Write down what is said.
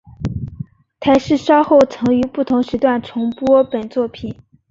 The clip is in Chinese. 台视稍后曾于不同时段重播本作品。